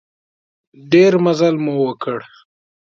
ډېر مزل مو وکړ.